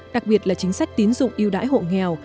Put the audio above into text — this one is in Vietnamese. đặc biệt là chính sách tín dụng yêu đãi hộ nghèo